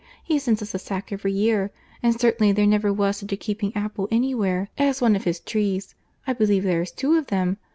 He sends us a sack every year; and certainly there never was such a keeping apple anywhere as one of his trees—I believe there is two of them.